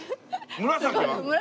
紫は？